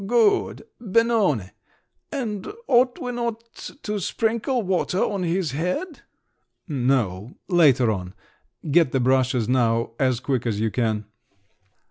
"Good … Benone! And ought we not to sprinkle water on his head?" "No … later on; get the brushes now as quick as you can."